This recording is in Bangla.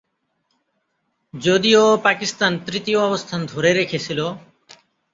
যদিও পাকিস্তান তৃতীয় অবস্থানে ধরে রেখেছিল।